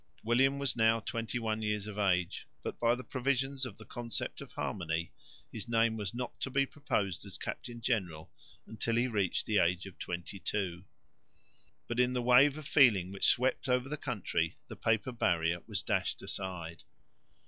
William was now twenty one years of age, but by the provisions of the Concept of Harmony his name was not to be proposed as captain general until he had reached the age of twenty two. But in the wave of feeling which swept over the country the paper barrier was dashed aside.